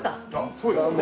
そうですよね。